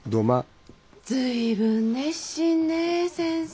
随分熱心ね先生。